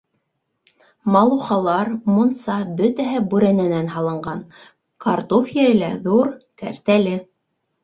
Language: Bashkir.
Малухалар, мунса - бөтәһе бүрәнәнән һалынған, картуф ере лә ҙур, кәртәле.